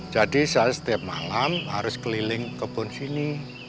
jadi saya setiap malam harus keliling kebun sini